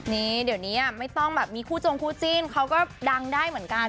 นี่เดี๋ยวนี้ไม่ต้องแบบมีคู่จงคู่จิ้นเขาก็ดังได้เหมือนกัน